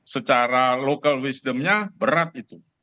secara local wisdomnya berat itu